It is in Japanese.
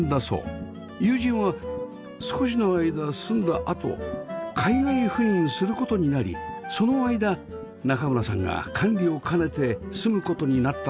友人は少しの間住んだあと海外赴任する事になりその間中村さんが管理を兼ねて住む事になったそうです